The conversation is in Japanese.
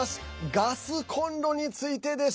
ガスコンロについてです。